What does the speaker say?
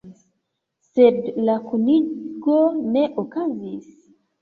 Sed la kunigo ne okazis.